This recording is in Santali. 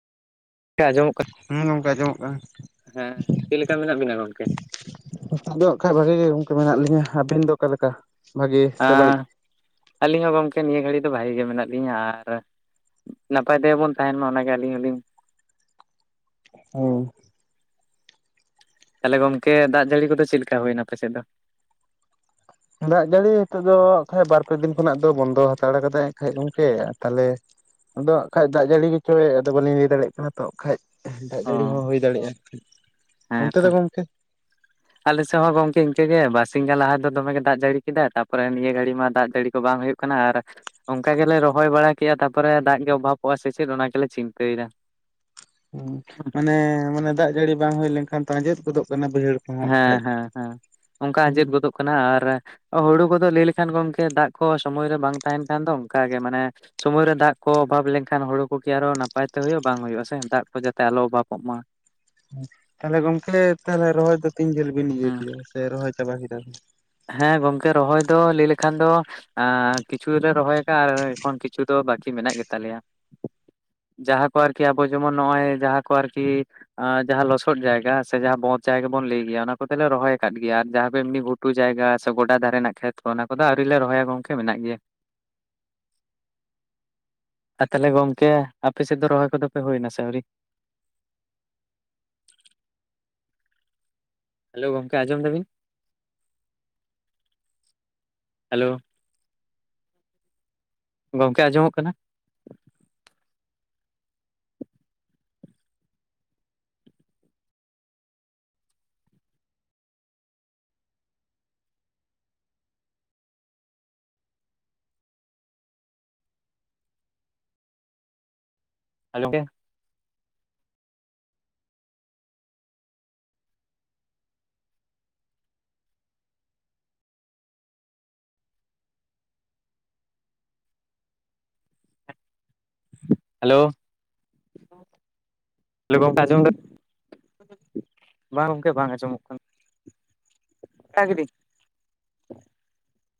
ᱠᱟ ᱟᱸᱡᱚᱢᱚᱜ ᱠᱟᱱᱟ? ᱦᱮᱸ ᱜᱚᱢᱠᱮ ᱟᱸᱡᱚᱢᱚᱜ ᱠᱟᱱᱟ᱾ ᱦᱮᱸ ᱪᱮᱫ ᱞᱮᱠᱟ ᱢᱮᱱᱟᱜ ᱵᱤᱱᱟ ᱜᱚᱝᱠᱮ? ᱱᱤᱛᱚᱜ ᱫᱚ ᱠᱷᱟᱡ ᱵᱷᱟᱹᱜᱤ ᱜᱮ ᱜᱚᱝᱠᱮ ᱢᱮᱱᱟᱜ ᱞᱤᱧᱟᱹ ᱟᱹᱵᱤᱱ ᱫᱚ ᱚᱠᱟᱞᱮᱠᱟ ᱟᱹᱞᱤᱧ ᱦᱚᱸ ᱜᱚᱢᱠᱮ ᱱᱤᱭᱟᱹ ᱜᱷᱟᱹᱲᱤᱡ ᱫᱚ ᱵᱷᱟᱹᱜᱤ ᱜᱮ ᱢᱮᱱᱟᱜ ᱞᱤᱧᱟ ᱟᱨ ᱱᱟᱯᱟᱭ ᱛᱮᱜᱮ ᱵᱚᱱ ᱛᱟᱦᱮᱱ ᱢᱟ ᱚᱱᱟᱜᱮ ᱟᱹᱞᱤᱧ ᱦᱚᱞᱤᱧ ᱦᱳᱭ ᱛᱟᱦᱚᱞᱮ ᱜᱚᱝᱠᱮ ᱫᱟᱜ ᱡᱟᱹᱲᱤ ᱠᱚᱫᱚ ᱪᱮᱫ ᱞᱮᱠᱟ ᱦᱩᱭ ᱮᱱᱟ ᱟᱯᱮ ᱥᱮᱫ ᱫᱚ? ᱫᱟᱜ ᱡᱟᱹᱲᱤ ᱱᱤᱛᱚᱜ ᱫᱚ ᱵᱟᱨ ᱯᱮ ᱫᱤᱱ ᱠᱷᱚᱱᱟᱜ ᱫᱚ ᱵᱚᱱᱫᱚ ᱦᱟᱛᱟᱲ ᱠᱟᱫᱟᱭ ᱮ ᱠᱷᱟᱡ ᱜᱚᱝᱠᱮ ᱛᱟᱦᱚᱞᱮ᱾ ᱟᱫᱚ ᱟᱸᱜᱠᱷᱟᱡ ᱫᱟᱜ ᱡᱟᱹᱲᱤ ᱜᱮᱪᱚᱭ ᱟᱫᱚ ᱵᱟᱝ ᱞᱤᱧ ᱞᱟᱹᱭ ᱫᱟᱲᱮᱭᱟᱜ ᱠᱟᱱᱟ᱾ ᱛᱚᱜ ᱠᱷᱟᱡ ᱫᱟᱜ ᱚ ᱡᱟᱹᱲᱤ ᱦᱚᱸ ᱦᱩᱭ ᱫᱟᱲᱮᱭᱟᱜᱼᱟ, ᱦᱮᱸ ᱚᱱᱛᱮ ᱛᱚ ᱫᱚ ᱜᱚᱢᱠᱮ? ᱟᱞᱮ ᱥᱮᱫ ᱦᱚᱸ ᱜᱚᱝᱠᱮ ᱤᱱᱠᱟᱹᱜᱮ ᱵᱟᱨᱥᱤᱧ ᱜᱟᱱ ᱞᱟᱦᱟ ᱫᱚᱢᱮ ᱜᱮ ᱫᱟᱜ ᱡᱟᱹᱲᱤ ᱠᱮᱫᱟ ᱛᱯᱚᱨᱮ ᱱᱤᱭᱟᱹ ᱜᱷᱟᱹᱲᱤ ᱢᱟ ᱫᱟᱜ ᱡᱟᱹᱲᱤ ᱠᱚ ᱵᱟᱝ ᱦᱩᱭᱩᱜ ᱠᱟᱱᱟ ᱟᱨ ᱚᱱᱠᱟ ᱜᱮᱞᱮ ᱨᱚᱦᱚᱭ ᱵᱟᱲᱟ ᱠᱮᱜᱼᱟ ᱛᱟᱨᱯᱚᱨᱮ ᱫᱟᱜ ᱜᱮ ᱚᱵᱷᱟᱵᱚᱜᱼᱟ ᱥᱮ ᱪᱮᱫ ᱚᱱᱟ ᱜᱮᱞᱮ ᱪᱤᱱᱛᱟᱹᱭᱮᱫᱟ᱾ ᱦᱩᱸ ᱢᱟᱱᱮ ᱢᱟᱱᱮ ᱫᱟᱜ ᱡᱟᱹᱲᱤ ᱵᱟᱝ ᱦᱩᱭ ᱞᱮᱱᱠᱷᱟᱱ ᱟᱸᱡᱮᱫ ᱜᱚᱫᱚᱜ ᱠᱟᱱᱟ ᱵᱟᱹᱭᱦᱟᱹᱲ ᱠᱚᱦᱚᱸ ᱦᱟᱸᱜ ᱦᱮᱸ ᱠᱷᱟᱡ᱾ ᱦᱮᱸ ᱦᱮᱸ ᱚᱱᱠᱟ ᱦᱩᱸ ᱟᱸᱡᱮᱫ ᱜᱚᱫᱚᱜ ᱠᱟᱱᱟ ᱟᱨ ᱦᱩᱲᱩ ᱠᱚᱫᱚ ᱞᱟᱹᱭ ᱞᱮᱠᱷᱟᱱ ᱜᱚᱢᱠᱮ ᱫᱟᱜ ᱠᱚ ᱥᱚᱢᱚᱭ ᱨᱮ ᱵᱟᱝ ᱛᱟᱦᱮᱱ ᱠᱷᱟᱱ ᱫᱚ ᱚᱱᱠᱟ ᱜᱮ ᱢᱟᱱᱮ᱾ ᱥᱚᱢᱚᱭ ᱨᱮ ᱫᱟᱜ ᱠᱚ ᱚᱵᱷᱟᱵ ᱞᱮᱱᱠᱷᱟᱱ ᱦᱩᱲᱩ ᱠᱚᱜᱮ ᱟᱨᱚ ᱱᱟᱯᱟᱭ ᱛᱮ ᱦᱩᱭᱩᱜᱼᱟ, ᱵᱟᱝ ᱦᱩᱭᱩᱜᱼᱟᱥᱮ ᱫᱟᱜ ᱠᱚ ᱡᱟᱛᱮ ᱟᱞᱚ ᱚᱵᱷᱟᱵᱚᱜ ᱢᱟ᱾ ᱛᱟᱦᱞᱮ ᱜᱚᱝᱠᱮ ᱛᱟᱦᱞᱮ ᱨᱚᱦᱚᱭ ᱫᱚ ᱛᱤᱱ ᱡᱷᱟᱹᱞ ᱵᱤᱱ ᱤᱭᱟᱹ ᱦᱩᱸ ᱠᱮᱫᱟ ᱥᱮ ᱨᱚᱦᱚᱭ ᱪᱟᱵᱟ ᱠᱮᱫᱟ ᱥᱮ ᱦᱮᱸ ᱜᱚᱝᱠᱮ ᱨᱚᱦᱚᱭ ᱫᱚ ᱞᱟᱹᱭ ᱞᱮᱠᱷᱟᱱ ᱫᱚᱼᱼ ᱟᱸ ᱠᱤᱪᱷᱩ ᱞᱮ ᱨᱚᱦᱚᱭ ᱠᱟᱜᱼᱟ ᱟᱨ ᱮᱠᱷᱚᱱ ᱠᱤᱪᱷᱩ ᱫᱚ ᱵᱟᱠᱤ ᱢᱮᱱᱟᱜ ᱜᱮᱛᱟ ᱞᱮᱭᱟ᱾ ᱡᱟᱦᱟᱸ ᱠᱚ ᱟᱨᱠᱤ ᱟᱵᱚ ᱡᱮᱢᱚᱱ ᱱᱚᱜ-ᱚᱭ ᱡᱟᱦᱟᱸ ᱠᱚ ᱟᱨᱠᱤ ᱡᱟᱦᱟᱸ ᱞᱚᱥᱚᱫ ᱡᱟᱭᱜᱟ ᱦᱮ ᱥᱮ ᱡᱟᱦᱟᱸ ᱵᱚᱫ ᱡᱟᱭᱜᱟ ᱵᱚᱱ ᱞᱟᱹᱭ ᱜᱮᱭᱟ ᱚᱱᱟ ᱠᱚᱛᱮᱞᱮ ᱨᱚᱦᱚᱭ ᱠᱟᱫ ᱜᱮᱭᱟ ᱟᱨ ᱡᱟᱦᱟᱸ ᱠᱚ ᱮᱢᱱᱤ ᱜᱷᱩᱴ ᱴᱩ ᱡᱟᱭᱜᱟ ᱥᱮ ᱜᱚᱰᱟ ᱫᱷᱟᱨᱮ ᱱᱟᱜ ᱠᱷᱮᱛ ᱠᱚ ᱚᱱᱟ ᱠᱚᱫᱚ ᱟᱹᱣᱨᱤ ᱞᱮ ᱨᱚᱦᱚᱭᱟ ᱜᱚᱝᱠᱮ ᱢᱮᱱᱟᱜ ᱜᱮᱭᱟ᱾ ᱟᱨ ᱛᱟᱦᱞᱮ ᱜᱚᱝᱠᱮ ᱟᱯᱮ ᱥᱮᱫ ᱫᱚ ᱨᱚᱦᱚᱭ ᱠᱚᱫᱚ ᱯᱮ ᱦᱩᱭ ᱱᱟᱥᱮ ᱟᱹᱣᱨᱤ? ᱦᱮᱞᱳ ᱜᱚᱝᱠᱮ ᱟᱸᱡᱚᱢ ᱫᱟᱵᱤᱱ? ᱦᱮᱞᱳ᱾ ᱜᱚᱝᱠᱮ ᱟᱸᱡᱚᱢᱚᱜ ᱠᱟᱱᱟ? ᱟᱢᱚᱢᱠᱮ ᱦᱟᱞᱳ ᱞᱳ ᱜᱚᱝᱠᱮ ᱟᱸᱡᱚᱢ ᱮᱫᱟ ᱵᱟᱝ ᱜᱚᱝᱠᱮ ᱵᱟᱝ ᱟᱸᱡᱚᱢᱚᱜ ᱠᱟᱱᱟ᱾ ᱦᱮᱸ ᱜᱤᱰᱤ, [unintelligible]